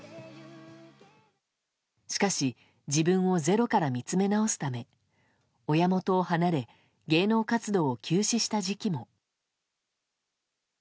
しかし、自分をゼロから見つめ直すため親元を離れ芸能活動を休止した時期も。